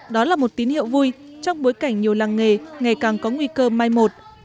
đó là một tín hiệu vui trong bối cảnh nhiều làng nghề ngày càng có nguy cơ mai một